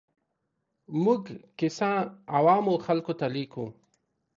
موږ کیسه عوامو خلکو ته لیکو.